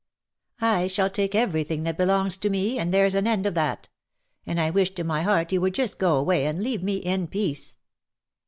I shall take every thing that belongs to me, and there's an end of that ; and I wish to my heart you would just go away and leave me in peace."